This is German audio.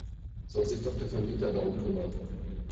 Soll sich doch der Vermieter darum kümmern!